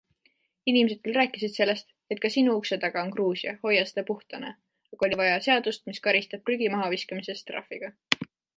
Inimesed küll rääkisid sellest, et ka sinu ukse taga on Gruusia, hoia seda puhtana, aga oli vaja seadust, mis karistab prügi mahaviskamise eest trahviga.